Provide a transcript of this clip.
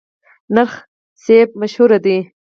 نرخ مڼې مشهورې دي؟